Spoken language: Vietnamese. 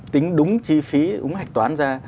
tính đúng chi phí đúng hạch toán ra